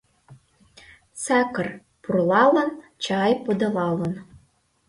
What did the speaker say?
Сакыр пурлалын, чай подылалын -